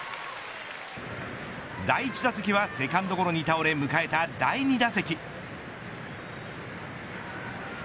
第１打席はセカンドゴロに倒れ迎えた第２打席。